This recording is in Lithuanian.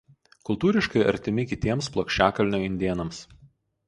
Kultūriškai artimi kitiems plokščiakalnio indėnams.